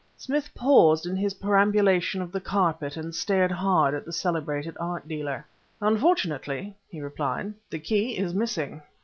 Smith paused in his perambulation of the carpet and stared hard at the celebrated art dealer. "Unfortunately," he replied, "the key is missing."